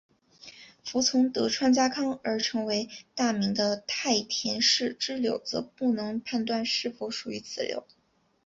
服从德川家康而成为大名的太田氏支流则不能判断是否属于此流。